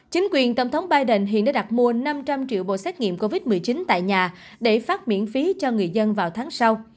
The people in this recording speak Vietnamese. chính quyền tổng thống biden hiện đã đặt mua năm trăm linh triệu bộ xét nghiệm covid một mươi chín tại nhà để phát miễn phí cho người dân vào tháng sau